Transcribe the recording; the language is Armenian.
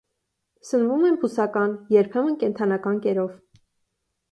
Սնվում են բուսական, երբեմն կենդանական կերով։